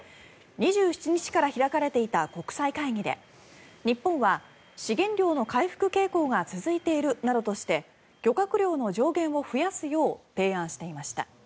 ２７日から開かれていた国際会議で日本は資源量の回復傾向が続いているなどとして漁獲量の上限を増やすよう提案していました。